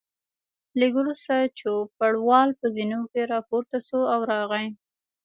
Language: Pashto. لږ وروسته چوپړوال په زینو کې راپورته شو او راغی.